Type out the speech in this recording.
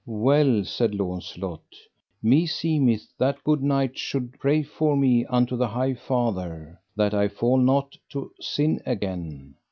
Well, said Launcelot, meseemeth that good knight should pray for me unto the High Father, that I fall not to sin again.